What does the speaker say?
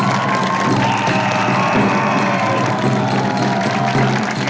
เอ้าเอ้ย